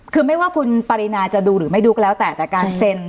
คือไม่ว่าคุณปรินาจะดูหรือไม่ดูก็แล้วแต่แต่การเซ็น